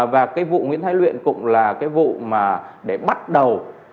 và vụ nguyễn thái luyện cũng là vụ để bắt đầu